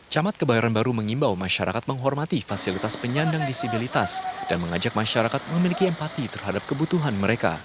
camat kebayoran baru mengimbau masyarakat menghormati fasilitas penyandang disabilitas dan mengajak masyarakat memiliki empati terhadap kebutuhan mereka